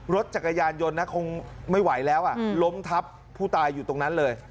รถจักรยานยนต์นะคงไม่ไหวแล้วล้มทับผู้ตายอยู่ตรงนั้นเลย